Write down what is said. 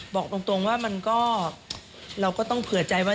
บอกตรงว่ามันก็เราก็ต้องเผื่อใจว่า